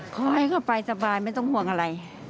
ขอให้เขาไปสบายไม่ต้องห่วงอะไร